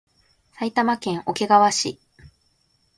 埼玉県桶川市